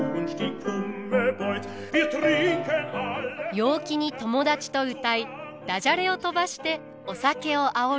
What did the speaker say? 陽気に友達と歌いダジャレを飛ばしてお酒をあおる。